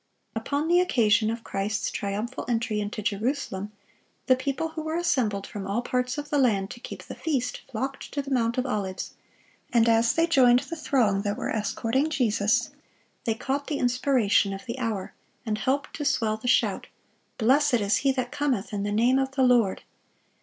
Upon the occasion of Christ's triumphal entry into Jerusalem, the people who were assembled from all parts of the land to keep the feast, flocked to the Mount of Olives, and as they joined the throng that were escorting Jesus, they caught the inspiration of the hour, and helped to swell the shout, "Blessed is He that cometh in the name of the Lord!"